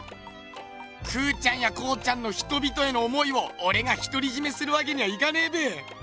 空ちゃんや康ちゃんの人々への思いをおれがひとりじめするわけにはいかねえべ。